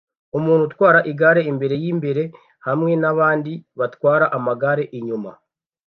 Umuntu utwara igare imbere yimbere hamwe nabandi batwara amagare inyuma